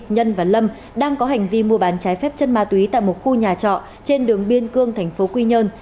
nhân và lâm đang có hành vi mua bán trái phép chất ma túy tại một khu nhà trọ trên đường biên cương tp quy nhơn